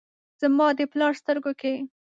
زما د پلار سترګو کې ،